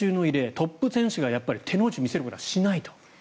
トップ選手が手の内を見せることはしないと。